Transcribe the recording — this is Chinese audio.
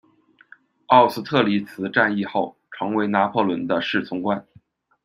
奥斯特里茨战役后，成为拿破仑的侍从官。